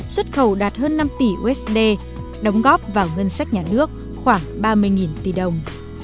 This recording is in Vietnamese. xuất khẩu đạt hơn năm tỷ usd đóng góp vào ngân sách nhà nước khoảng ba mươi tỷ đồng